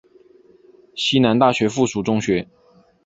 西南大学附属中学。